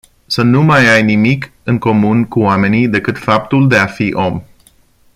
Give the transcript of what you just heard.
Să nu mai ai nimic în comun cu oamenii decât faptul de afi om.